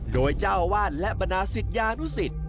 โดยเจ้าอาวาลและบรรณาสิทธิ์ยานุสิทธิ์